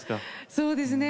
そうですね。